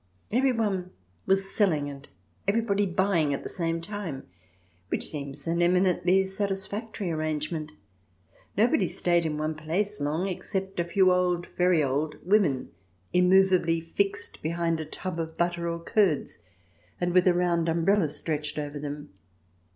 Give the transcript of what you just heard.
Everybody was selling «nd everybody buying at the same time, which seems an eminently satisfactory arrangement. Nobody stayed in one place long except perhaps a few old, very old, women, immovably fixed behind a tub of butter or curds, and with a round umbrella stretched over them.